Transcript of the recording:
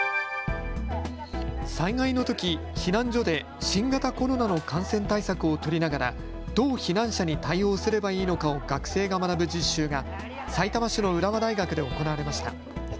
災害のとき避難所で新型コロナの感染対策を取りながらどう避難者に対応すればいいのかを学生が学ぶ実習がさいたま市の浦和大学で行われました。